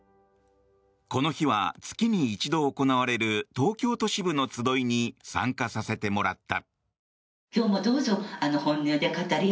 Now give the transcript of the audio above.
この日は月に一度行われる東京都支部の集いに参加させてもらった。